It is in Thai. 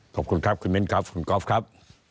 ขอบคุณครับคุณมิ้นครับคุณก๊อฟครับ